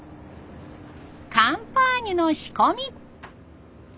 カンパーニュの仕込み。